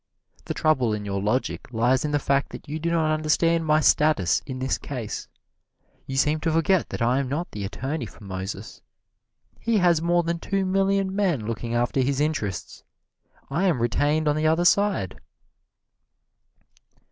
The trouble in your logic lies in the fact that you do not understand my status in this case. You seem to forget that I am not the attorney for Moses. He has more than two million men looking after his interests. I am retained on the other side!"